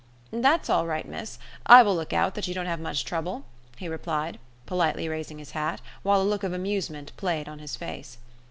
"That's all right, miss. I will look out that you don't have much trouble," he replied, politely raising his hat, while a look of amusement played on his face.